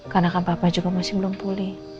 karena kan papa juga masih belum pulih